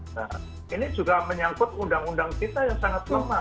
yang mengangkut undang undang kita yang sangat lemah